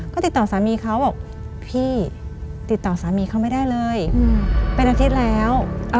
ก็ติดต่อสามีเขาบอกพี่ติดต่อสามีเขาไม่ได้เลยเป็นอาทิตย์แล้ว